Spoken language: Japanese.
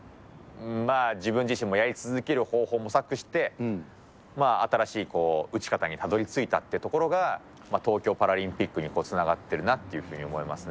まあ、自分自身もやり続ける方法を模索して、新しい打ち方にたどりついたってところが、東京パラリンピックにつながるなっていうふうに思いますね。